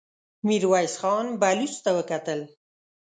ميرويس خان بلوڅ ته وکتل.